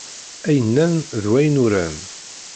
Ay nnan d wayen uran.